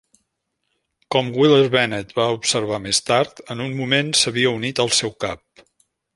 Com Wheeler-Bennet va observar més tard, "...en un moment s'havia unit al seu Cap".